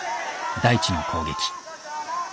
大智の攻撃。